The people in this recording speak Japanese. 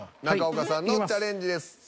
中岡さんのチャレンジです。